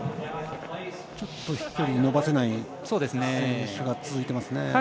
ちょっと飛距離伸ばせない選手が続いていますね。